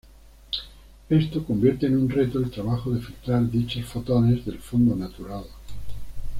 Esto convierte en un reto el trabajo de filtrar dichos fotones del fondo natural.